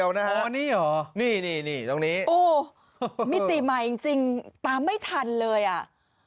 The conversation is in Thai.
โอ้ยมิติมาจริงตามไม่ทันเลยอ่ะ